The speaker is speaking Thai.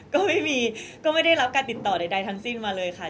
ก็ไม่มีก็ไม่ได้รับการติดต่อใดทั้งสิ้นมาเลยค่ะ